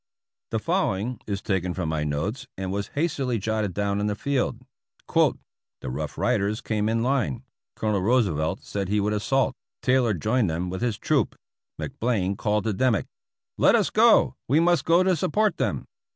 The following is taken from my notes and was hastily jotted down on the field: "The Rough Riders came in line — Colonel Roosevelt said he would assault — Taylor 310 APPENDIX E joined them with his troop — McBlain called to Dimmick, ' let us go, we must go to support them.'